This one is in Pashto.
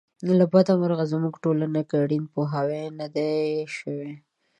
له بده مرغه زموږ ټولنه کې اړین پوهاوی نه دی شوی.